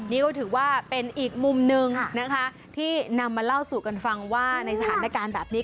นี่ก็ถือว่าเป็นอีกมุมหนึ่งนะคะที่นำมาเล่าสู่กันฟังว่าในสถานการณ์แบบนี้